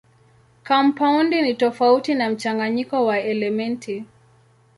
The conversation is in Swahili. Kampaundi ni tofauti na mchanganyiko wa elementi.